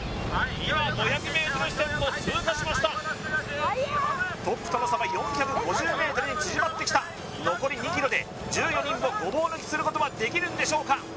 今５００ｍ地点を通過しましたトップとの差は４５０ｍに縮まってきた残り２ｋｍで１４人をごぼう抜きすることはできるんでしょうか？